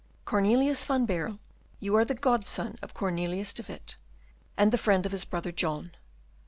Cornelius van Baerle, you are the godson of Cornelius de Witt and the friend of his brother John.